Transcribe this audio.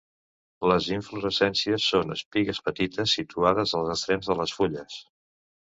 Les inflorescències són espigues petites, situades els extrems de les fulles.